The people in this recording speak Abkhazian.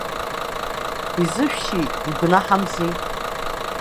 Изышәшьи, игәнаҳамзи.